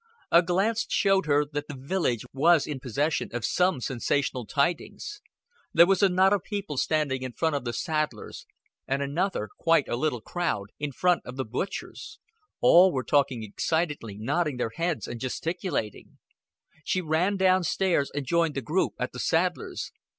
A glance showed her that the village was in possession of some sensational tidings. There was a knot of people standing in front of the saddler's, and another quite a little crowd in front of the butcher's; all were talking excitedly, nodding their heads, and gesticulating. She ran down stairs and joined the group at the saddler's.